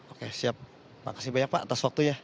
oke siap terima kasih banyak pak atas waktunya